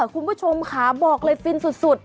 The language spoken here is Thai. คุณผู้ชมค่ะบอกเลยฟินสุด